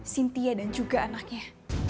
sintia dan juga anaknya